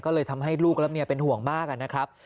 ก็เลยทำให้ลูกและเมียเป็นห่วงมากนะครับ